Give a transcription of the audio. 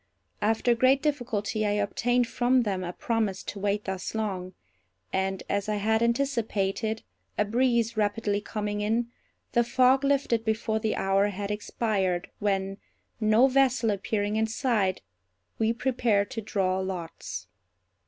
After great difficulty I obtained from them a promise to wait thus long; and, as I had anticipated (a breeze rapidly coming in), the fog lifted before the hour had expired, when, no vessel appearing in sight, we prepared to draw lots.